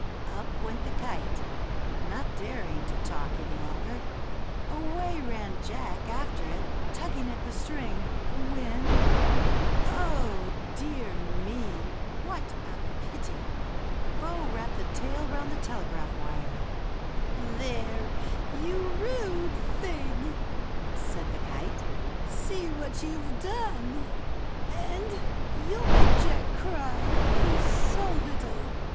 " Up went the kite, not daring to talk any longer; away ran Jack after it, tugging at the string, when — Oh, dear me ! what a pity !— Bo WTapped the tail round the telegraph wire. •'IT WAS.ACK SNEWKITE." "There, you rude thing," said the kite, " see what you've done ; and you'll make Jack cry, he's so little.